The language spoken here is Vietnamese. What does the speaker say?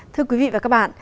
thưa quý vị và các bạn